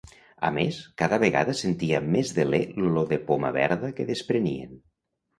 A més, cada vegada sentia amb més deler l'olor de poma verda que desprenien.